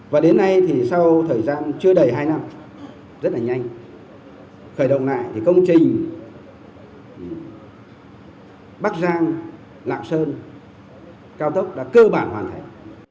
và đến nay thì sau thời gian chưa đầy hai năm rất là nhanh khởi động lại thì công trình bắc giang lạng sơn cao tốc đã cơ bản hoàn thành